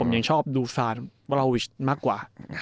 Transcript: ผมยังชอบดูซานวาราวิชมากกว่า